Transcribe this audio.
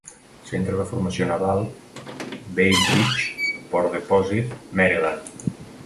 Centre de Formació Naval Bainbridge, Port Deposit, Maryland.